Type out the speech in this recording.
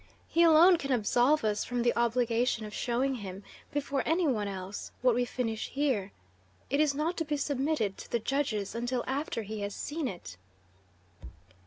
He alone can absolve us from the obligation of showing him, before any one else, what we finish here. It is not to be submitted to the judges until after he has seen it."